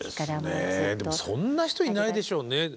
そんな人いないでしょうね。